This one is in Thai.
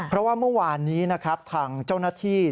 เพราะว่าเมื่อวานนี้ทางเจ้าหน้าธีส์